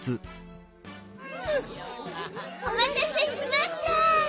おまたせしました！